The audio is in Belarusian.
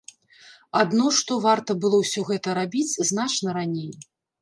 Адно што варта было ўсё гэта рабіць значна раней.